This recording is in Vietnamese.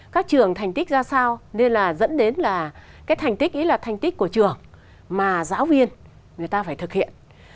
các trường thành tích ra sao nên là dẫn đến là cái thành tích ý là thành tích của trường mà giáo viên người ta phải thực hiện